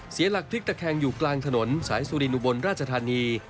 เสียหลักพลิกตะแคงอยู่กลางถนนสายสุรินอุบลราชธานี